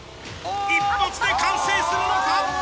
一発で完成するのか？